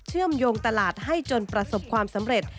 เชื่อมโยงตลาดให้จนประสบความสำเร็จ